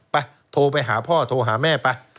โทรไปหาพ่อโทรหาแม่ไป